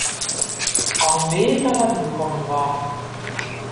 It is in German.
Armee herangekommen waren.